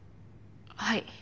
はい。